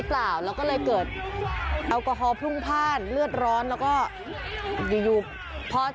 ถ้าเกิดแอลกอฮอล์พรุ่งพลาดเลือดร้อนแล้วก็